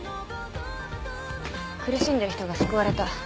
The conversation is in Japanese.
苦しんでいる人が救われた。